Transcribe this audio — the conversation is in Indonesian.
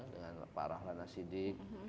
dengan pak rahlana siddiq